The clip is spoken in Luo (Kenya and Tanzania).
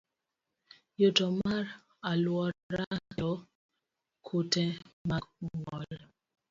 Yuto mar alwora kelo kute mag ng'ol.